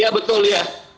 ya betul ya